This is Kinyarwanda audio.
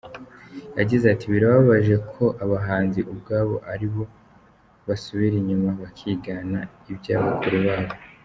Yagize ati “Birababaje ko abahanzi ubwabo ari bo basubira inyuma bakigana ibya bakuru babo.